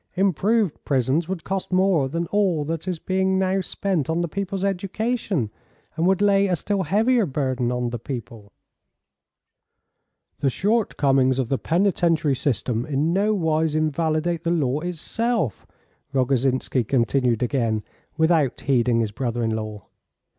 Improved prisons would cost more than all that is being now spent on the people's education, and would lay a still heavier burden on the people." "The shortcomings of the penitentiary system in nowise invalidate the law itself," Rogozhinsky continued again, without heeding his brother in law.